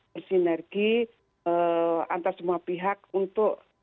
bersinergi antar semua pihak untuk